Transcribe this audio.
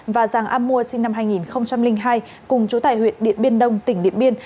và giàng a mua sinh năm hai nghìn hai cùng chú tài huyện điện biên đông tỉnh điện biên